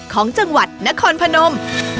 ของจังหวัดนครพนม